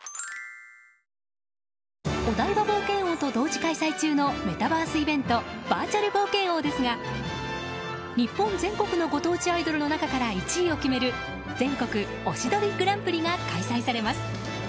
お台場冒険王と同時開催中のメタバースイベントバーチャル冒険王ですが日本全国のご当地アイドルの中から１位を決める全国推しドルグランプリが開催されます。